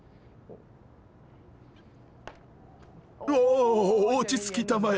おおちつきたまえ